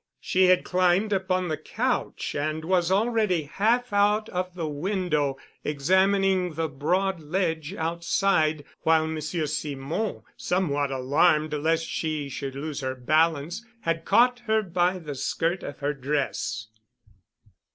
She had climbed upon the couch and was already half out of the window, examining the broad ledge outside, while Monsieur Simon, somewhat alarmed lest she should lose her balance, had caught her by the skirt of her dress.